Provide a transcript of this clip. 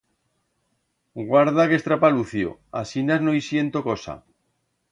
Guarda qué estrapalucio! Asinas no i siento cosa.